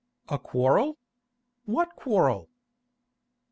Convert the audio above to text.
"A quarrel? What quarrel?"